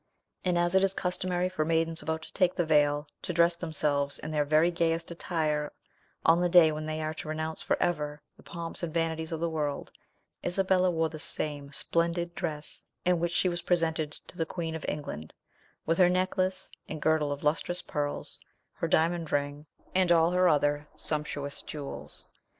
And as it is customary for maidens about to take the veil to dress themselves in their very gayest attire on the day when they are to renounce for ever the pomps and vanities of the world, Isabella wore the same splendid dress in which she was presented to the queen of England, with her necklace and girdle of lustrous pearls, her diamond ring, and all her other sumptuous jewels.